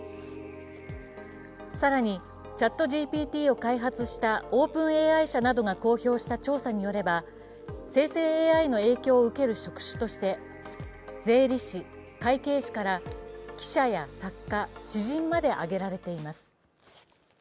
更に、ＣｈａｔＧＰＴを開発したＯｐｅｎＡＩ社などが公表した長沙によれば、生成ＡＩの影響を受ける職種として税理士、会計士から、記者や作家、詩人まで挙げられています。